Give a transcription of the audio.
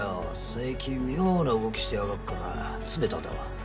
最近妙な動きしてやがっから詰めたんだわ。